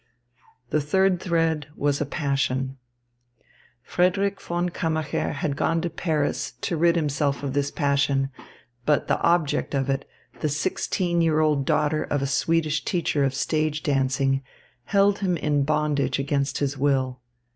The third thread was a passion. Frederick von Kammacher had gone to Paris to rid himself of this passion; but the object of it, the sixteen year old daughter of a Swedish teacher of stage dancing, held him in bondage against his will.